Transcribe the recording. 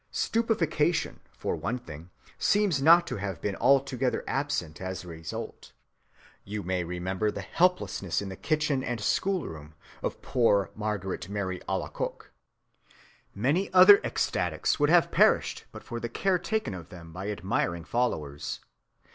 Stupefaction, for one thing, seems not to have been altogether absent as a result. You may remember the helplessness in the kitchen and schoolroom of poor Margaret Mary Alacoque. Many other ecstatics would have perished but for the care taken of them by admiring followers.